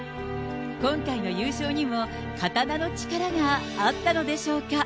今回の優勝にも刀の力があったのでしょうか。